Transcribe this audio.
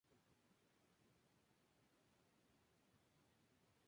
El edificio de Rodríguez Orgaz se inauguró con ocasión de ese encuentro.